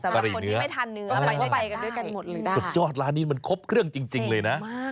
สุดยอดร้านนี้มันครบเครื่องจริงเลยนะ